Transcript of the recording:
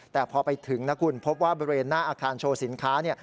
แต่พอไปถึงนะคุณพบว่าบริเวณหน้าอาคารโชว์สินค้า